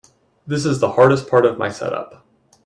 This is the hardest part of my setup.